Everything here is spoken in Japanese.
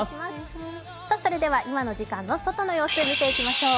それでは今の時間の外の様子見ていきましょう。